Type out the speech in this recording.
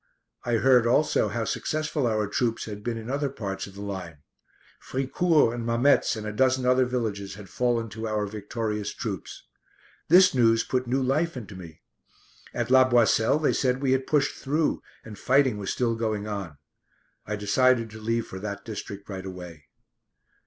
I heard also how successful our troops had been in other parts of the line. Fricourt and Mametz and a dozen other villages had fallen to our victorious troops. This news put new life into me. At La Boisselle they said we had pushed through, and fighting was still going on. I decided to leave for that district right away.